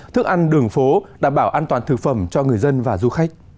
thức ăn đường phố đảm bảo an toàn thực phẩm cho người dân và du khách